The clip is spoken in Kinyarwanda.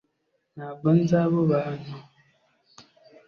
Ntabwo nzi abo bantu